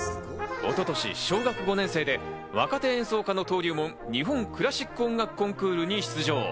一昨年、小学５年生で若手演奏家の登竜門、日本クラシック音楽コンクールに出場。